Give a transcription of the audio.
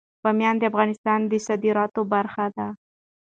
بامیان د افغانستان د صادراتو برخه ده.